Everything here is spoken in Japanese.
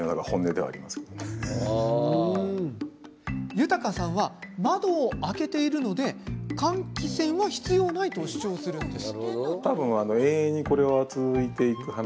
裕さんは、窓を開けているので換気扇は必要ないと主張するんです。